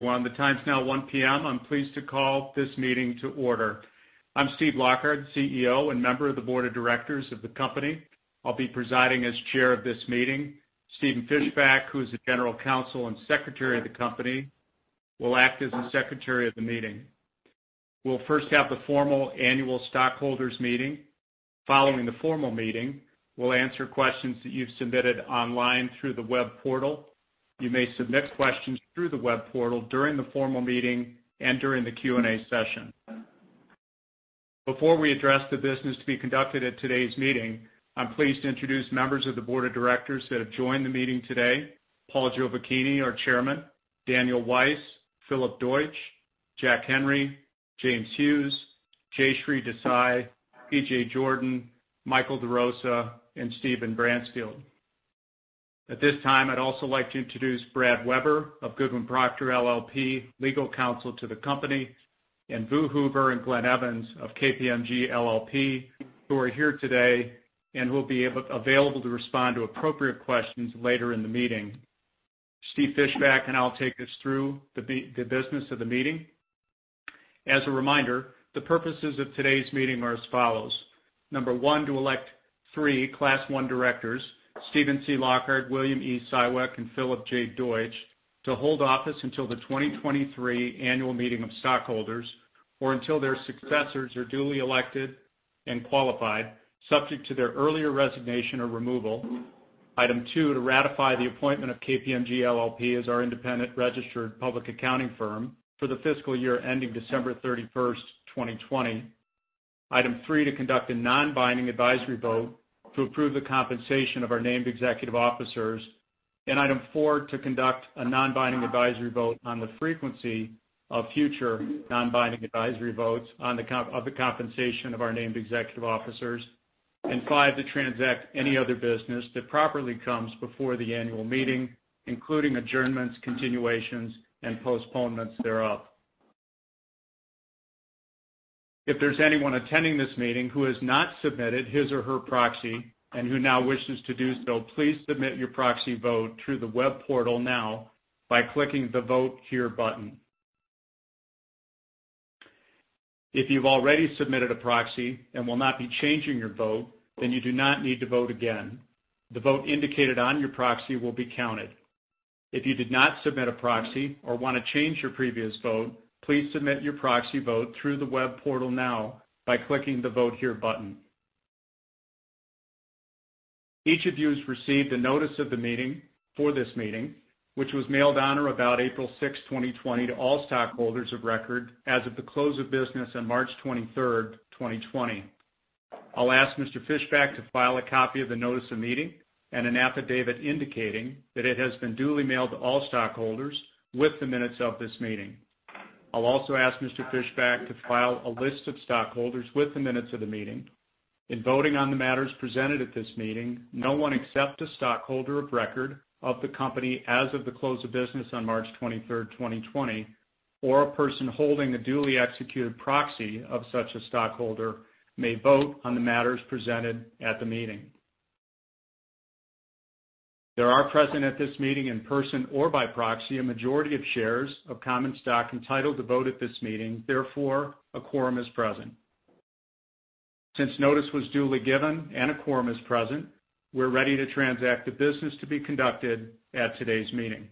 Well, the time is now 1:00 P.M. I'm pleased to call this meeting to order. I'm Steve Lockard, CEO and member of the board of directors of the company. I'll be presiding as chair of this meeting. Stephen Fishbach, who is the General Counsel and Secretary of the company, will act as the secretary of the meeting. We'll first have the formal annual stockholders meeting. Following the formal meeting, we'll answer questions that you've submitted online through the web portal. You may submit questions through the web portal during the formal meeting and during the Q&A session. Before we address the business to be conducted at today's meeting, I'm pleased to introduce members of the board of directors that have joined the meeting today. Paul Giovacchini, our Chairman, Daniel Weiss, Philip Deutsch, Jack Henry, James Hughes, Jayshree Desai, TJ Jordan, Michael DeRosa, and Stephen Bransfield. At this time, I'd also like to introduce Brad Weber of Goodwin Procter LLP, legal counsel to the company, and Vu Hoover and Glenn Evans of KPMG LLP, who are here today and who will be available to respond to appropriate questions later in the meeting. Stephen Fishbach and I will take us through the business of the meeting. As a reminder, the purposes of today's meeting are as follows. Number one, to elect 3 Class I directors, Steven C. Lockard, William E. Siwek, and Philip J. Deutsch, to hold office until the 2023 annual meeting of stockholders, or until their successors are duly elected and qualified, subject to their earlier resignation or removal. Item two, to ratify the appointment of KPMG LLP as our independent registered public accounting firm for the fiscal year ending December 31, 2020. Item three, to conduct a non-binding advisory vote to approve the compensation of our named executive officers. Item four, to conduct a non-binding advisory vote on the frequency of future non-binding advisory votes of the compensation of our named executive officers. Five, to transact any other business that properly comes before the annual meeting, including adjournments, continuations, and postponements thereof. If there's anyone attending this meeting who has not submitted his or her proxy and who now wishes to do so, please submit your proxy vote through the web portal now by clicking the Vote Here button. If you've already submitted a proxy and will not be changing your vote, you do not need to vote again. The vote indicated on your proxy will be counted. If you did not submit a proxy or want to change your previous vote, please submit your proxy vote through the web portal now by clicking the Vote Here button. Each of you has received a notice of the meeting for this meeting, which was mailed on or about April 6, 2020, to all stockholders of record as of the close of business on March 23, 2020. I'll ask Mr. Fishbach to file a copy of the notice of meeting and an affidavit indicating that it has been duly mailed to all stockholders with the minutes of this meeting. I'll also ask Mr. Fishbach to file a list of stockholders with the minutes of the meeting. In voting on the matters presented at this meeting, no one except a stockholder of record of the company as of the close of business on March 23, 2020, or a person holding a duly executed proxy of such a stockholder may vote on the matters presented at the meeting. There are present at this meeting in person or by proxy, a majority of shares of common stock entitled to vote at this meeting. Therefore, a quorum is present. Notice was duly given and a quorum is present, we're ready to transact the business to be conducted at today's meeting.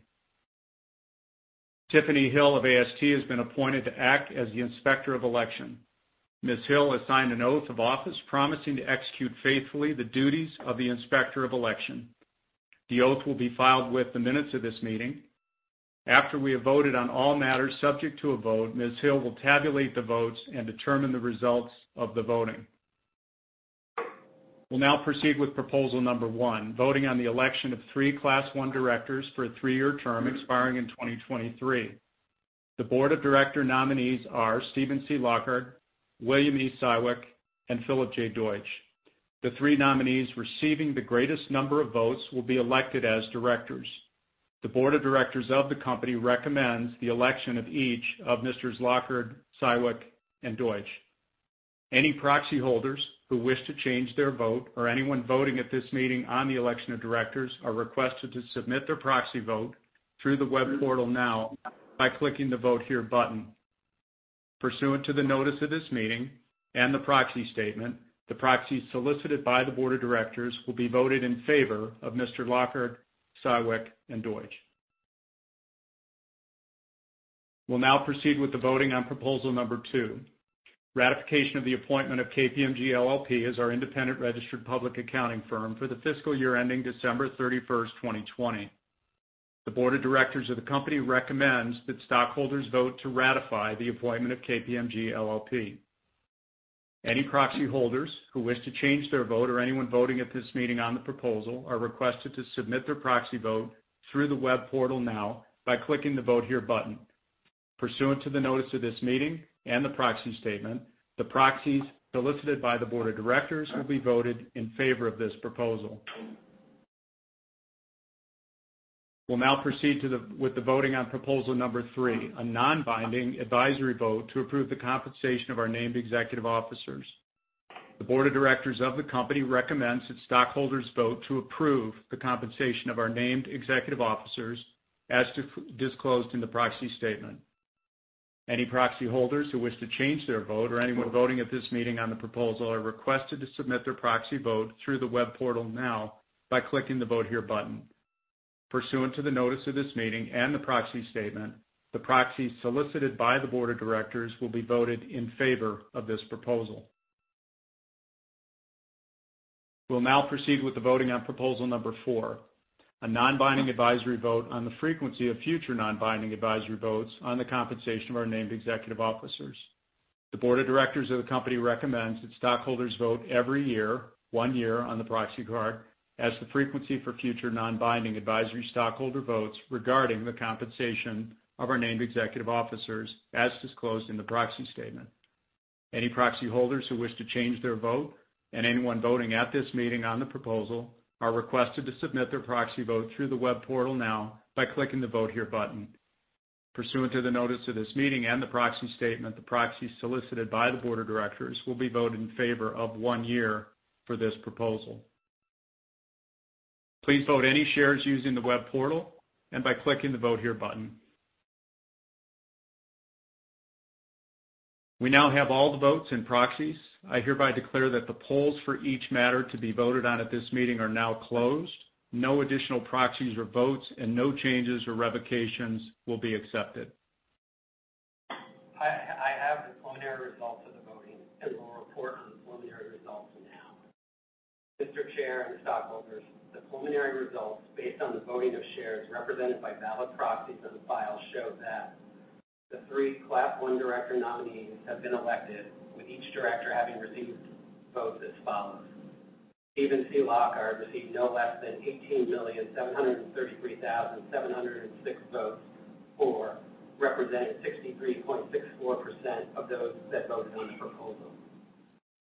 Tiffany Hill of AST has been appointed to act as the Inspector of Election. Ms. Hill has signed an oath of office promising to execute faithfully the duties of the Inspector of Election. The oath will be filed with the minutes of this meeting. After we have voted on all matters subject to a vote, Ms. Hill will tabulate the votes and determine the results of the voting. We'll now proceed with proposal number 1, voting on the election of three Class I directors for a three-year term expiring in 2023. The board of director nominees are Steven C. Lockard, William E. Siwek, and Philip J. Deutsch. The three nominees receiving the greatest number of votes will be elected as directors. The board of directors of the company recommends the election of each of Messrs. Lockard, Siwek, and Deutsch. Any proxy holders who wish to change their vote or anyone voting at this meeting on the election of directors are requested to submit their proxy vote through the web portal now by clicking the Vote Here button. Pursuant to the notice of this meeting and the proxy statement, the proxies solicited by the board of directors will be voted in favor of Mr. Lockard, Siwek, and Deutsch. We'll now proceed with the voting on proposal number 2, ratification of the appointment of KPMG LLP as our independent registered public accounting firm for the fiscal year ending December 31st, 2020. The board of directors of the company recommends that stockholders vote to ratify the appointment of KPMG LLP. Any proxy holders who wish to change their vote or anyone voting at this meeting on the proposal are requested to submit their proxy vote through the web portal now by clicking the Vote Here button. Pursuant to the notice of this meeting and the proxy statement, the proxies solicited by the board of directors will be voted in favor of this proposal. We'll now proceed with the voting on proposal number three, a non-binding advisory vote to approve the compensation of our named executive officers. The board of directors of the company recommends its stockholders vote to approve the compensation of our named executive officers as disclosed in the proxy statement. Any proxy holders who wish to change their vote or anyone voting at this meeting on the proposal are requested to submit their proxy vote through the web portal now by clicking the Vote Here button. Pursuant to the notice of this meeting and the proxy statement, the proxies solicited by the board of directors will be voted in favor of this proposal. We'll now proceed with the voting on proposal number four, a non-binding advisory vote on the frequency of future non-binding advisory votes on the compensation of our named executive officers. The board of directors of the company recommends that stockholders vote every year, one year on the proxy card, as the frequency for future non-binding advisory stockholder votes regarding the compensation of our named executive officers as disclosed in the proxy statement. Any proxy holders who wish to change their vote and anyone voting at this meeting on the proposal are requested to submit their proxy vote through the web portal now by clicking the Vote Here button. Pursuant to the notice of this meeting and the proxy statement, the proxies solicited by the board of directors will be voted in favor of one year for this proposal. Please vote any shares using the web portal and by clicking the Vote Here button. We now have all the votes and proxies. I hereby declare that the polls for each matter to be voted on at this meeting are now closed. No additional proxies or votes and no changes or revocations will be accepted. I have the preliminary results of the voting and will report on the preliminary results now. Mr. Chair and stockholders, the preliminary results, based on the voting of shares represented by valid proxies on file, show that the three Class I director nominees have been elected with each director having received votes as follows. Steven C. Lockard received no less than 18,733,706 votes, or representing 63.64% of those that voted on the proposal.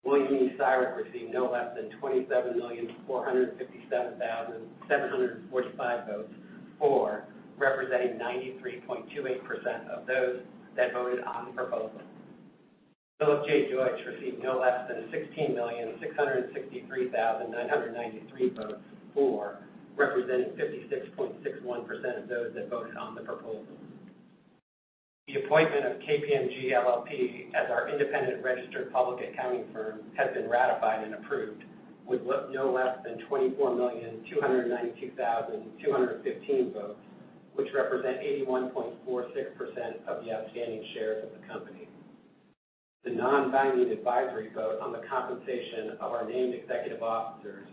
William E. Siwek received no less than 27,457,745 votes, or representing 93.28% of those that voted on the proposal. Philip J. Deutsch received no less than 16,663,993 votes, or representing 56.61% of those that voted on the proposal. The appointment of KPMG LLP as our independent registered public accounting firm has been ratified and approved with no less than 24,292,215 votes, which represent 81.46% of the outstanding shares of the company. The non-binding advisory vote on the compensation of our named executive officers,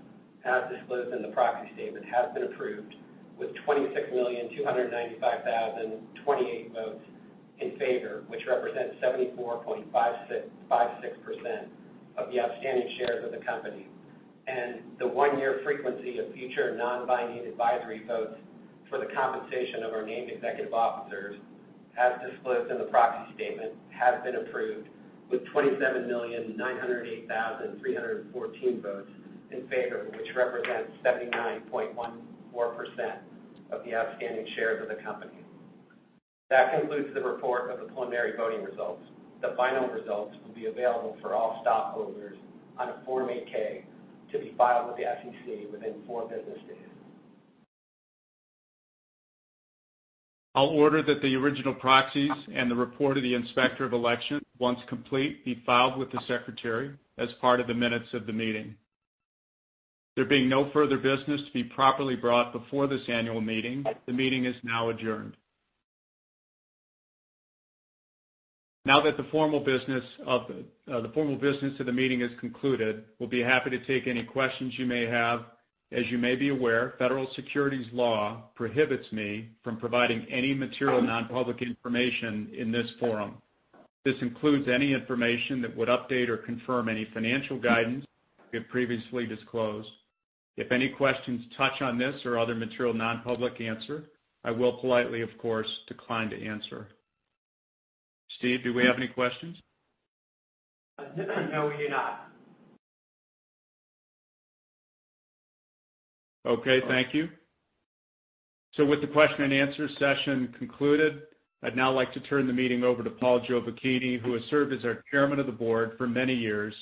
as disclosed in the proxy statement, has been approved with 26,295,028 votes in favor, which represents 74.56% of the outstanding shares of the company. The one-year frequency of future non-binding advisory votes for the compensation of our named executive officers, as disclosed in the proxy statement, has been approved with 27,908,314 votes in favor, which represents 79.14% of the outstanding shares of the company. That concludes the report of the preliminary voting results. The final results will be available for all stockholders on a Form 8-K to be filed with the SEC within four business days. I'll order that the original proxies and the report of the Inspector of Election, once complete, be filed with the Secretary as part of the minutes of the meeting. There being no further business to be properly brought before this annual meeting, the meeting is now adjourned. Now that the formal business of the meeting is concluded, we'll be happy to take any questions you may have. As you may be aware, federal securities law prohibits me from providing any material non-public information in this forum. This includes any information that would update or confirm any financial guidance we have previously disclosed. If any questions touch on this or other material non-public answer, I will politely, of course, decline to answer. Steve, do we have any questions? No, we do not. Okay, thank you. With the question and answer session concluded, I'd now like to turn the meeting over to Paul Giovacchini, who has served as our Chairman of the Board for many years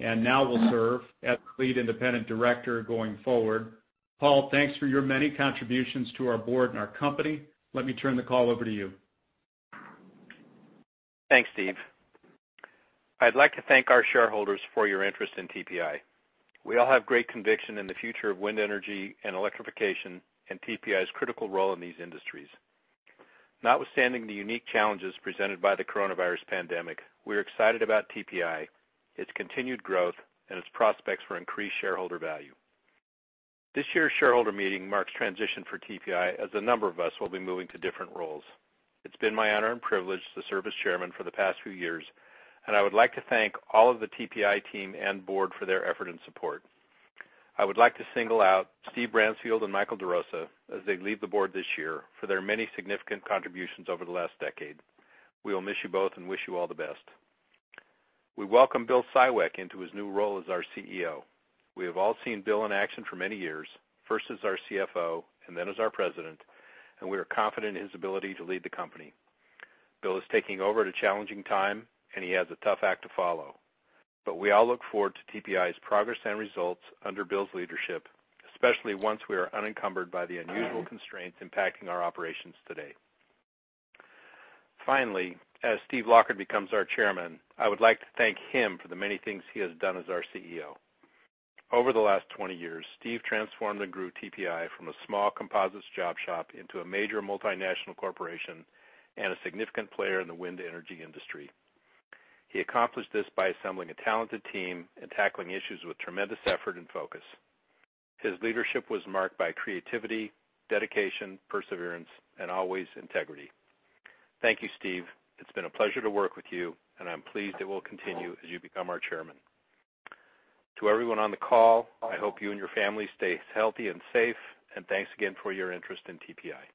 and now will serve as Lead Independent Director going forward. Paul, thanks for your many contributions to our board and our company. Let me turn the call over to you. Thanks, Steve. I'd like to thank our shareholders for your interest in TPI. We all have great conviction in the future of wind energy and electrification and TPI's critical role in these industries. Notwithstanding the unique challenges presented by the coronavirus pandemic, we're excited about TPI, its continued growth, and its prospects for increased shareholder value. This year's shareholder meeting marks transition for TPI, as a number of us will be moving to different roles. It's been my honor and privilege to serve as chairman for the past few years. I would like to thank all of the TPI team and board for their effort and support. I would like to single out Steve Bransfield and Michael DeRosa, as they leave the board this year, for their many significant contributions over the last decade. We will miss you both. Wish you all the best. We welcome Bill Siwek into his new role as our CEO. We have all seen Bill in action for many years, first as our CFO and then as our President, and we are confident in his ability to lead the company. Bill is taking over at a challenging time, and he has a tough act to follow. We all look forward to TPI's progress and results under Bill's leadership, especially once we are unencumbered by the unusual constraints impacting our operations today. Finally, as Steve Lockard becomes our Chairman, I would like to thank him for the many things he has done as our CEO. Over the last 20 years, Steve transformed and grew TPI from a small composites job shop into a major multinational corporation and a significant player in the wind energy industry. He accomplished this by assembling a talented team and tackling issues with tremendous effort and focus. His leadership was marked by creativity, dedication, perseverance, and always integrity. Thank you, Steve. It's been a pleasure to work with you, and I'm pleased it will continue as you become our chairman. To everyone on the call, I hope you and your family stay healthy and safe, and thanks again for your interest in TPI.